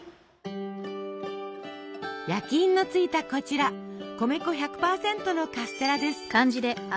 焼印のついたこちら米粉１００％のカステラです。